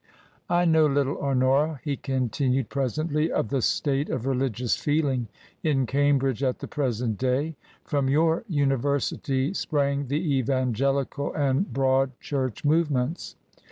" I know little, Honora," he continued, presently, " of the state of religious feeling in Cambridge at the present day. From your University sprang the Evangelical and Broad Church movements.